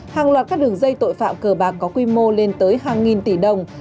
hàng loạt các đường dây tội phạm cờ bạc có quy mô lên tới hàng nghìn tỷ đồng